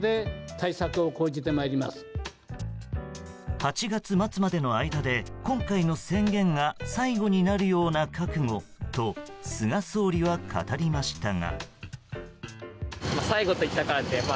８月末までの間で今回の宣言が最後になるような覚悟と菅総理は語りましたが。